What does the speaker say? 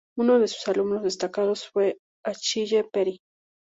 Uno de sus alumnos destacados fue Achille Peri.